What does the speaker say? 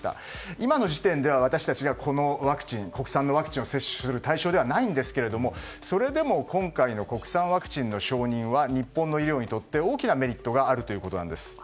今の時点では私たちがこの国産のワクチンを接種する対象ではないんですがそれでも今回の国産ワクチンの承認は日本の医療にとって大きなメリットがあると。